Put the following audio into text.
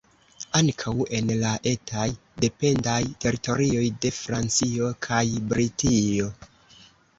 Ankaŭ en la etaj dependaj teritorioj de Francio kaj Britio.